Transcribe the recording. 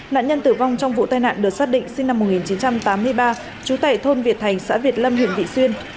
nạn nhân tử vong trong vụ tai nạn được xác định sinh năm một nghìn chín trăm tám mươi ba trú tại thôn việt thành xã việt lâm huyện vị xuyên